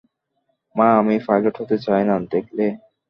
মা, আমি পাইলট হতে চাই না দেখলে?